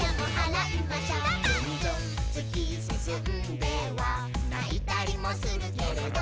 「ないたりもするけれど」